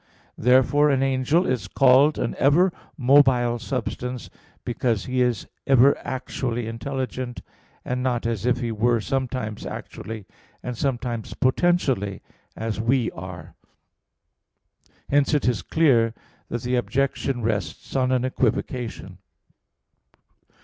Therefore an angel is called an ever mobile substance, because he is ever actually intelligent, and not as if he were sometimes actually and sometimes potentially, as we are. Hence it is clear that the objection rests on an equivocation.